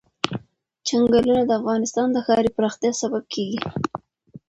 چنګلونه د افغانستان د ښاري پراختیا سبب کېږي.